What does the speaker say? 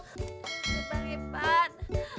eh pak ipan